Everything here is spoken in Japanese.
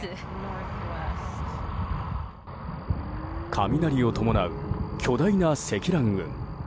雷を伴う巨大な積乱雲。